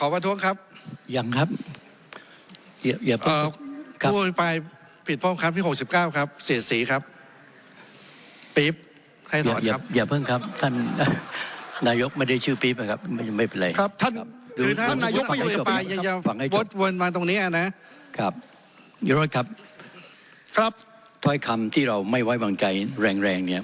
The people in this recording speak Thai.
วันมาตรงเนี้ยนะครับครับครับท้อยคำที่เราไม่ไว้บางใจแรงแรงเนี้ย